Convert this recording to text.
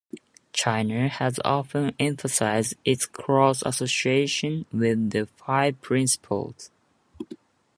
China has often emphasized its close association with the Five Principles.